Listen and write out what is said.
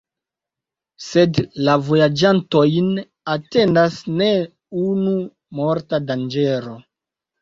Sed la vojaĝantojn atendas ne unu morta danĝero.